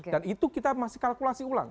dan itu kita masih kalkulasi ulang